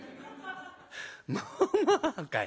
「まあまあかい。